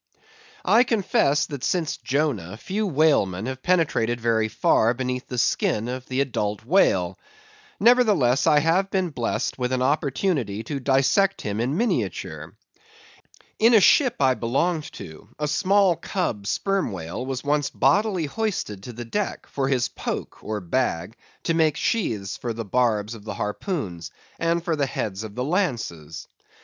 I confess, that since Jonah, few whalemen have penetrated very far beneath the skin of the adult whale; nevertheless, I have been blessed with an opportunity to dissect him in miniature. In a ship I belonged to, a small cub Sperm Whale was once bodily hoisted to the deck for his poke or bag, to make sheaths for the barbs of the harpoons, and for the heads of the lances.